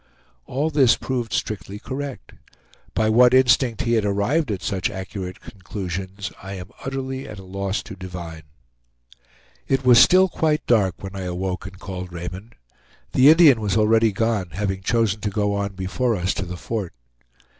All this proved strictly correct. By what instinct he had arrived at such accurate conclusions, I am utterly at a loss to divine. It was still quite dark when I awoke and called Raymond. The Indian was already gone, having chosen to go on before us to the Fort.